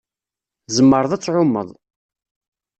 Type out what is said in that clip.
Tzemreḍ ad tɛummeḍ.